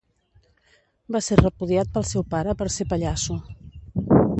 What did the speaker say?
Va ser repudiat pel seu pare per ser pallasso.